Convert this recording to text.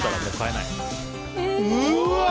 うわ！